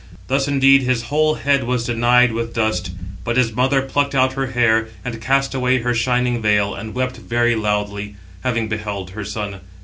Thus indeed his whole head was denied with dust; but his mother plucked out her hair, and cast away her shining veil, and wept very loudly, having beheld her son.